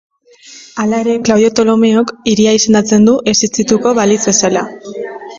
Hala ere, Klaudio Ptolomeok hiria izendatzen du existituko balitz bezala.